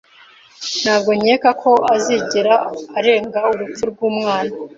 Ntabwo nkeka ko uzigera urenga urupfu rwumwana.